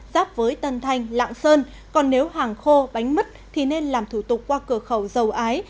giáp với tân thanh lạng sơn còn nếu hàng khô bánh mứt thì nên làm thủ tục qua cửa khẩu dầu ái